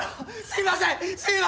すいません！